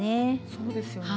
そうですよね